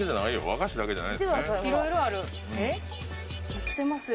売ってますよ。